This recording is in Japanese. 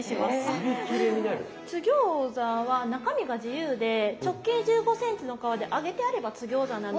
津ぎょうざは中身が自由で直径１５ｃｍの皮で揚げてあれば津ぎょうざなので。